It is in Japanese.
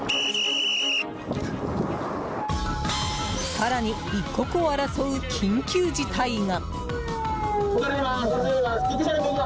更に、一刻を争う緊急事態が。